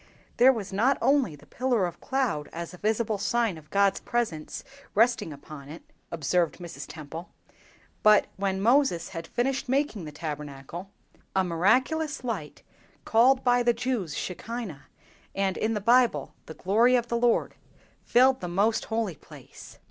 "There was not only the pillar of cloud as a visible sign of God's presence resting upon it," observed Mrs. Temple, "but when Moses had finished making the Tabernacle, a miraculous light, called by the Jews, 'Shekinah,' and, in the Bible, 'the glory of the Lord,' filled the most holy place."